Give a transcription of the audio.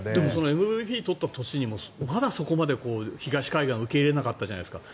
ＭＶＰ取った年にもまだそこまで東海岸は受け入れなかったじゃないですか。